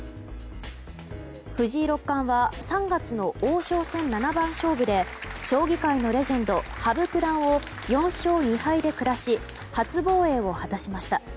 藤井六冠は３月の王将戦七番勝負で将棋界のレジェンド羽生九段を４勝２敗で下し初防衛を果たしました。